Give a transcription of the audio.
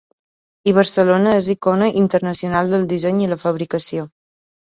I Barcelona és icona internacional del disseny i la fabricació.